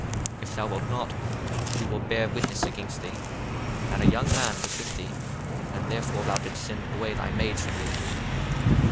1:21 If thou wilt not, we will bear witness against thee, that a young man was with thee: and therefore thou didst send away thy maids from thee.